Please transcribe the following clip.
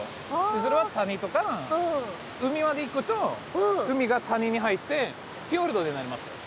それは谷とか海まで行くと海が谷に入ってフィヨルドになりますよ。